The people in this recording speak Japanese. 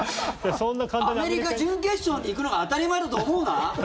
アメリカ、準決勝に行くのが当たり前だと思うな！